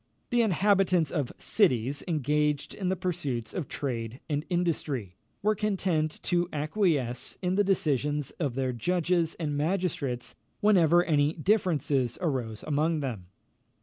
The inhabitants of cities, engaged in the pursuits of trade and industry, were content to acquiesce in the decisions of their judges and magistrates whenever any differences arose among them.